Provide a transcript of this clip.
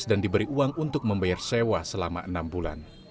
dan diberi uang untuk membayar sewa selama enam bulan